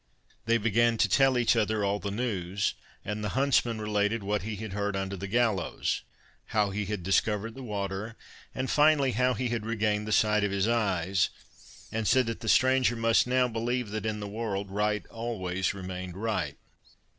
They began to tell each other all the news, and the huntsman related what he had heard under the gallows; how he had discovered the water, and finally how he had regained the sight of his eyes, and said that the stranger must now believe that in the world right always remained right.